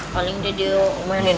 paling dia di umenin dong